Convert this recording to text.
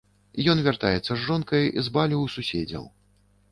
Ён вяртаецца з жонкай з балю ў суседзяў.